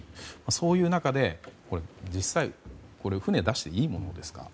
そういう中で実際、これは船を出していいものですか。